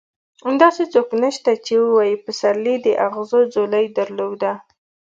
داسې څوک نشته چې ووايي پسرلي د اغزو ځولۍ درلوده.